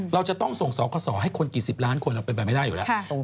เราจะต้องส่งสคสอให้คนกี่สิบล้านคนเราเป็นไปไม่ได้อยู่แล้ว